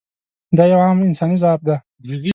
دا یو عام انساني ضعف دی.